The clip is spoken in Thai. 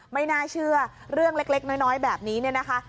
ไม่น่าเชื่อเรื่องเล็กน้อยแบบนี้เนี่ยนะคะ